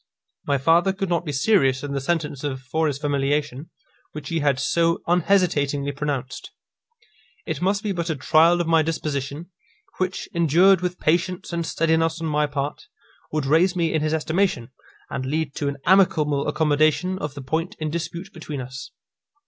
My father could not be serious in the sentence of foris familiation, which he had so unhesitatingly pronounced. It must be but a trial of my disposition, which, endured with patience and steadiness on my part, would raise me in his estimation, and lead to an amicable accommodation of the point in dispute between us.